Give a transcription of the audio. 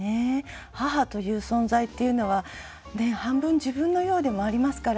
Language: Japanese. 母という存在というのは半分自分のようでもありますから。